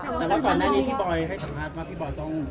แต่ว่าก่อนหน้านี้พี่บอยให้สัมภาษณ์ว่าพี่บอยต้อง